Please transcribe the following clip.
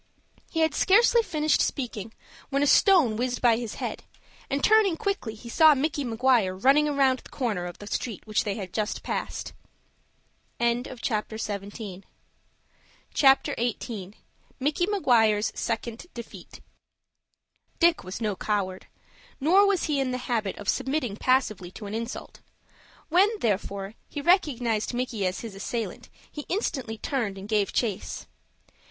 He had scarcely finished speaking, when a stone whizzed by his head, and, turning quickly, he saw Micky Maguire running round the corner of the street which they had just passed. CHAPTER XVIII. MICKY MAGUIRE'S SECOND DEFEAT Dick was no coward. Nor was he in the habit of submitting passively to an insult. When, therefore, he recognized Micky as his assailant, he instantly turned and gave chase.